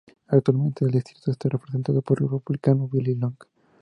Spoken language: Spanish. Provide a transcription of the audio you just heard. Actualmente el distrito está representado por el Republicano Billy Long.